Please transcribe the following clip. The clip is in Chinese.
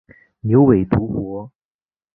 牛尾独活